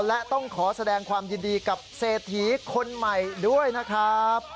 และต้องขอแสดงความยินดีกับเศรษฐีคนใหม่ด้วยนะครับ